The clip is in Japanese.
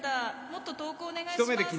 「もっと投稿お願いします！！」